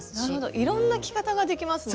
いろんな着方ができますね。